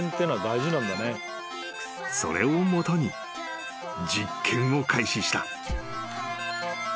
［それを基に実験を開始した］